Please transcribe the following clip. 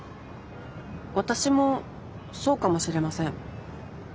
私もそうかもしれません。